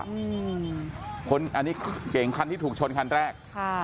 อันนี้เก่งครั้งที่ถูกชนครั้งแรก